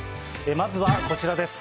まずはこちらです。